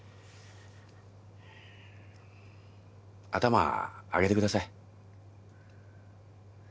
頭上げてください